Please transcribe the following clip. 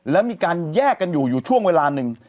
แล้วมีการแยกกันอยู่อยู่ช่วงเวลาหนึ่ง